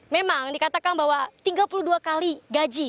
memang dikatakan bahwa tiga puluh dua kali gaji